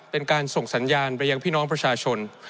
เป็นการส่งสัญญาณไปยังพี่น้องประชาชน